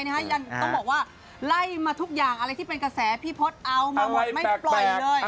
ยังต้องบอกว่าไล่มาทุกอย่างอะไรที่เป็นกระแสพี่พศเอามาหมดไม่ปล่อยเลย